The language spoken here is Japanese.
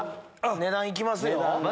値段行きますよ。